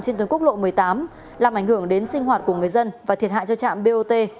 trên tuyến quốc lộ một mươi tám làm ảnh hưởng đến sinh hoạt của người dân và thiệt hại cho trạm bot